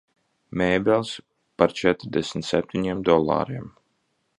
Mēbeles par četrdesmit septiņiem dolāriem.